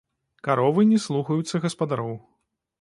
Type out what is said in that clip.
Каровы не слухаюцца гаспадароў.